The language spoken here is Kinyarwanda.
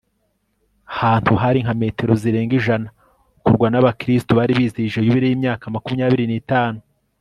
hantu hari nka metero zirenga ijana. ukorwa n'abakristu bari bizihije yubile y'imyaka makumyabiri ni tanu